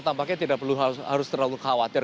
tampaknya tidak perlu harus terlalu khawatir